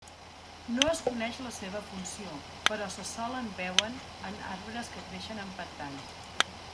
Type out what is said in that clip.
No es coneix la seva funció, però se solen veuen en arbres que creixen en pantans.